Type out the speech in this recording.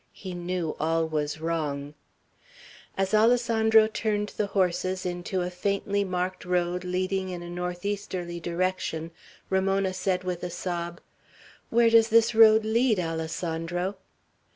He knew all was wrong. As Alessandro turned the horses into a faintly marked road leading in a northeasterly direction, Ramona said with a sob, "Where does this road lead, Alessandro?"